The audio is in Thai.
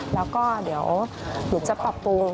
แล้วก็เดี๋ยวจะปรับปรุง